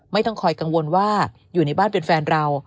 ไม่ต้องคอยกังวลว่าอยู่ในบ้านเป็นแฟนเรา